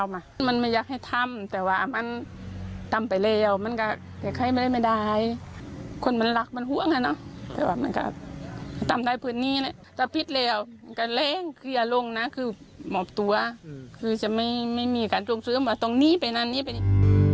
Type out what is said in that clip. ไม่มีการคงซื้อมาตรงนี้ไปนั่นนี่ไปนี่